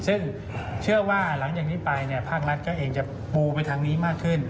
ซึ่งเชื่อว่าหลังจากนี้ไปภาครัฐก็เองจะปูไปทางนี้มากขึ้น